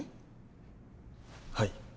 はい。